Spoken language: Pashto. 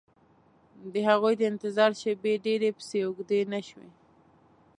د هغوی د انتظار شېبې ډېرې پسې اوږدې نه شوې